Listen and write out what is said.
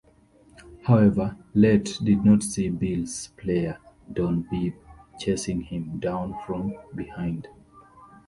However, Lett did not see Bills player Don Beebe chasing him down from behind.